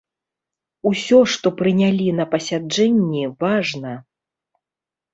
Усё, што прынялі на пасяджэнні, важна.